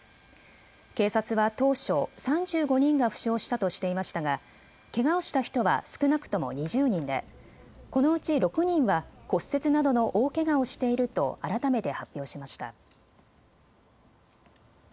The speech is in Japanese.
警察は当初、３５人が負傷したとしていましたが、けがをした人は少なくとも２０人でこのうち６人は骨折などの大けがをしていると改めて発表しました。